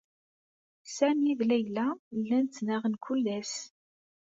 Sami d Layla llan ttnaɣen kullas.